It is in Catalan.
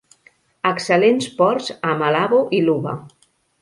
Excel·lents ports a Malabo i Luba.